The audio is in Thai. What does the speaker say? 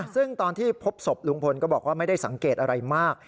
ซึ่งตอนที่พบศพลุงพลก็บอกว่าไม่ได้สังเกตอะไรมาก